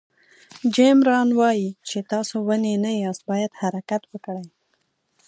جیم ران وایي چې تاسو ونې نه یاست باید حرکت وکړئ.